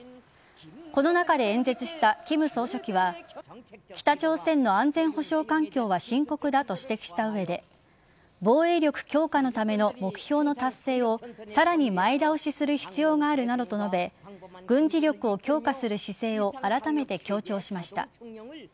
この中で演説した金総書記は北朝鮮の安全保障環境は深刻だと指摘した上で防衛力強化のための目標の達成をさらに前倒しする必要があるなどと述べ軍事力を強化する姿勢をあらためて強調しました。